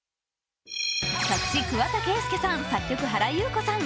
作詞・桑田佳祐さん、作曲・原由子さん。